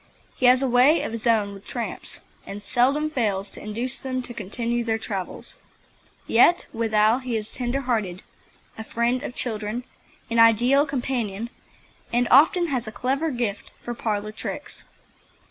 He has a way of his own with tramps, and seldom fails to induce them to continue their travels. Yet withal he is tender hearted, a friend of children, an ideal companion, and often has a clever gift for parlour tricks.